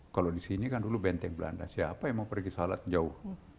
kalau di sini kan dulu benteng belanda siapa yang mau pergi sholat jauh